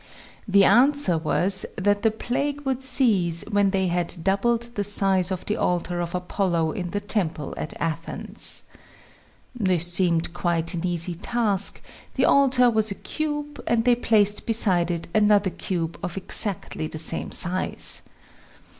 The answer was that the plague would cease when they had doubled the size of the altar of Apollo in the temple at Athens. This seemed quite an easy task ; the altar was a cube, and they placed beside it another cube of exactly the same size.